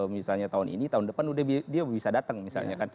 misalnya tahun ini tahun depan dia bisa datang misalnya kan